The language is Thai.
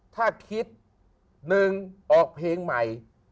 ถ้าคิด๑ออกเพลงใหม่